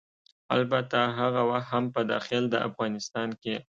البته هغه وخت هم په داخل د افغانستان کې